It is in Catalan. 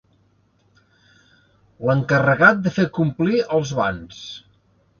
L'encarregat de fer complir els bans.